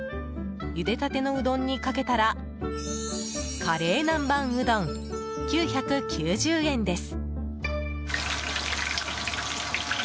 ゆでたてのうどんにかけたらカレー南ばんうどん９９０円です。